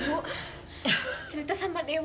bu cerita sama dia bu